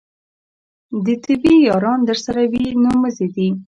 د طبې یاران درسره وي نو مزې دي.